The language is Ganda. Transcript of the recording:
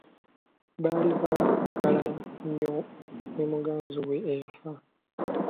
Baali baagalana nnyo ne muganzi we eyafa.